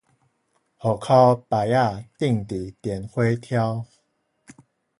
戶口牌仔釘佇電火柱